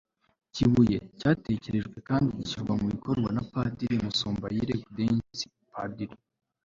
kibuye, cyatekerejwe kandi gishyirwa mu bikorwa na padiri murasandonyi gaudensi, padiri